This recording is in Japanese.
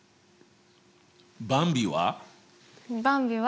ばんびは？